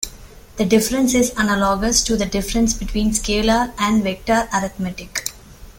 The difference is analogous to the difference between scalar and vector arithmetic.